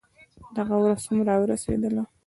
دغه ورځ هم راورسېدله.